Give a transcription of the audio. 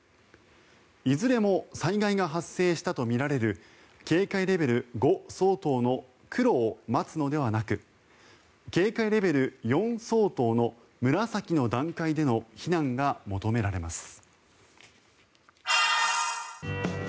いずれも災害が発生したとみられる警戒レベル５相当の黒を待つのではなく警戒レベル４相当の紫の段階での避難が求められます。